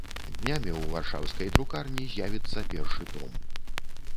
Днямі ў варшаўскай друкарні з'явіцца першы том.